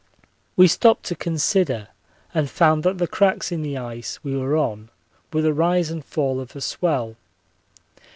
We stopped to consider, and found that the cracks in the ice we were on were the rise and fall of a swell.